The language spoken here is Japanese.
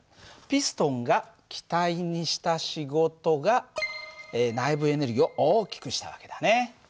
ピストンが気体にした仕事が内部エネルギーを大きくした訳だね。